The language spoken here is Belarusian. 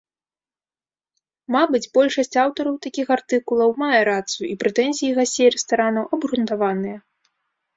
Мабыць, большасць аўтараў такіх артыкулаў мае рацыю, і прэтэнзіі гасцей рэстаранаў абгрунтаваныя.